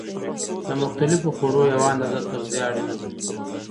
له مختلفو خوړو یوه اندازه تغذیه اړینه ده.